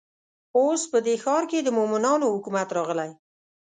اوس په دې ښار کې د مؤمنانو حکومت راغلی.